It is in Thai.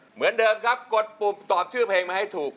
เหมือนเดิมครับกดปุบตอบชื่อเพลงมาให้ถูก